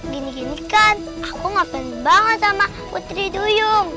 gini ginikan aku gak pengen banget sama putri duyung